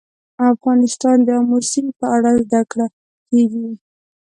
افغانستان کې د آمو سیند په اړه زده کړه کېږي.